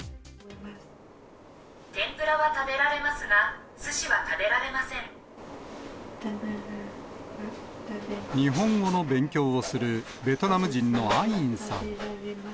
天ぷらは食べられますが、日本語の勉強をするベトナム人のアインさん。